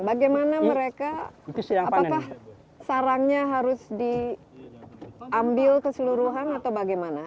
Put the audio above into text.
bagaimana mereka apakah sarangnya harus diambil keseluruhan atau bagaimana